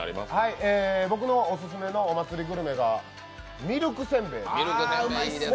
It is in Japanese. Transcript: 僕のオススメのお祭りグルメがミルクせんべいです。